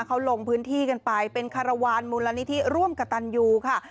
เขาลงพื้นที่กันไปเป็นมูลนิธิร่วมกระตานยูค่ะ